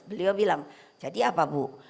beliau bilang jadi apa bu